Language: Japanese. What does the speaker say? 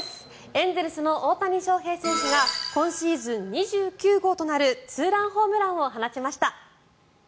エンゼルスの大谷翔平選手が今シーズン２９号となるツーランホームランを放ちました。